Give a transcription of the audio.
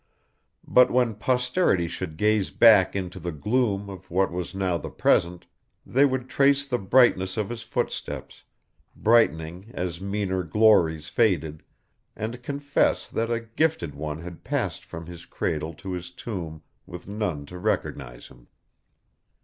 But when posterity should gaze back into the gloom of what was now the present, they would trace the brightness of his footsteps, brightening as meaner glories faded, and confess that a gifted one had passed from his cradle to his tomb with none to recognize him.